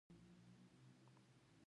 هیواد به اباد شي؟